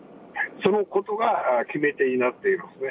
そのことが決め手になっていますね。